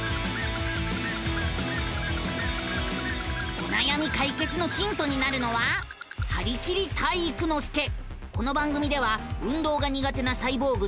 おなやみ解決のヒントになるのはこの番組では運動が苦手なサイボーグ体育ノ